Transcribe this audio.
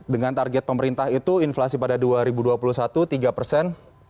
dengan target pemerintah itu inflasi pada dua ribu dua puluh satu tiga persen